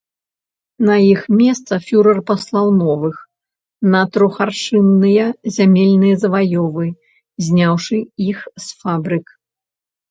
На іх месца фюрэр паслаў новых на трохаршынныя зямельныя заваёвы, зняўшы іх з фабрык.